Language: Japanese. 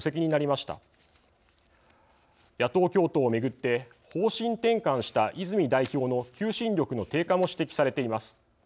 野党共闘を巡って方針転換した泉代表の求心力の低下も指摘されています。